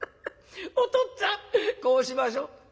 お父っつぁんこうしましょう。